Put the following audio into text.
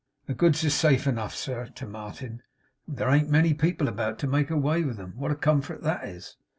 The goods is safe enough, sir' to Martin 'there ain't many people about, to make away with 'em. What a comfort that is!